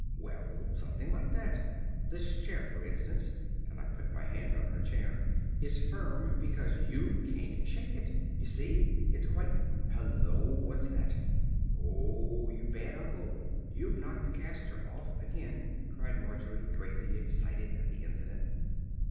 "Well, something like that. This chair for instance," and I put my hand on her chair, "is firm because you can't shake it. You see, it's quite Hallo, what's that?" "Oh, you bad uncle, you've knocked the castor off again," cried Margery, greatly excited at the incident.